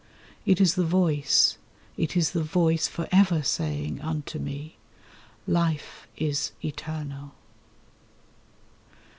It is the Voice, it is the Voice for ever saying unto me: 'Life is Eternal.